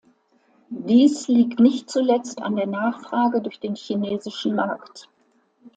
Dies liegt nicht zuletzt an der Nachfrage durch den chinesischen Markt.